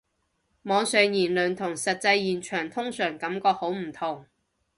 網上言論同實際現場通常感覺好唔同